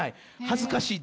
恥ずかしい。